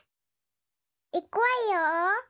いくわよ！